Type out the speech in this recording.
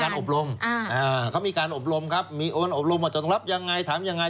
เขาก็พวกมีการอบโรมมีการอบโรมมาจัดงรับอย่างไรถามอย่างไร